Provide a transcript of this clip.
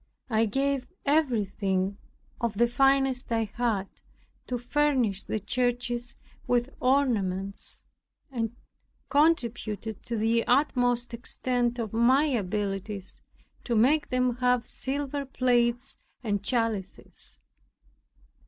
I gave everything, of the finest I had, to furnish the churches with ornaments, and contributed to the utmost extent of my abilities, to make them have silver plates and chalices.